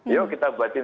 yuk kita buatin